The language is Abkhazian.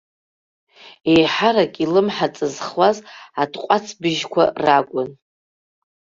Еиҳарак илымҳа ҵызхуаз атҟәацбжьқәа ракәын.